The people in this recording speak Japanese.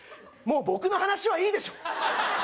もう僕の話はいいでしょ